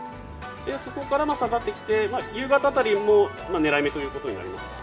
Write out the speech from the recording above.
そこから下がってきて夕方辺りは狙い目ということになりますか？